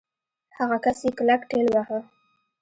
هغه کس يې کلک ټېلوهه.